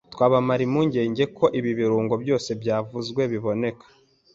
Twabamara impungenge ko ibi birungo byose byavuzwe biboneka